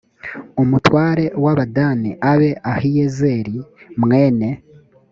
umutware w abadani abe ahiyezeri mwene